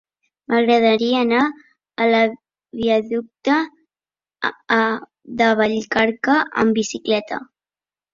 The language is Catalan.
M'agradaria anar a la viaducte de Vallcarca amb bicicleta.